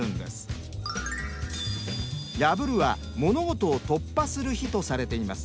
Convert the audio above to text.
「破」は物事を突破する日とされています。